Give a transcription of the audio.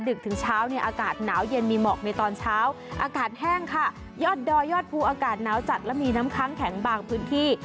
ถึงเช้าเนี่ยอากาศหนาวเย็นมีหมอกในตอนเช้าอากาศแห้งค่ะยอดดอยยอดภูอากาศหนาวจัดและมีน้ำค้างแข็งบางพื้นที่